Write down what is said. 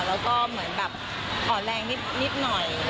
แล้วก็เหมือนแบบอ่อนแรงนิดหน่อย